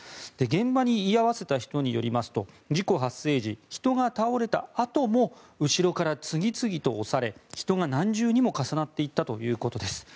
現場に居合わせた人によりますと事故発生時人が倒れたあとも後ろから次々と押され人が何重にも重なっていったということです。